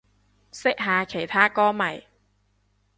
識下其他歌迷